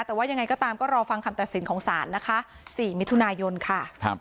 แต่ว่ายังไงก็ตามก็รอฟังคำตัดสินของศาลนะคะ๔มิถุนายนค่ะ